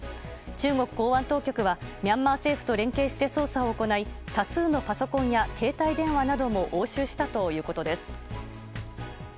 中国公安当局はミャンマー政府と連携して捜査を行い多数のパソコンや携帯電話なども押収したということです。